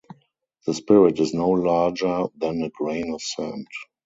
The spirit is no larger than a grain of sand.